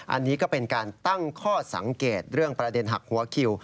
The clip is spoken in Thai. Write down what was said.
อันนี้ก็เป็นการตั้งข้อสังเกตเรื่องประเด็นหักหัวคิว